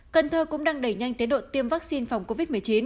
cần thơ cũng đang đẩy nhanh tiến độ tiêm vaccine phòng covid một mươi chín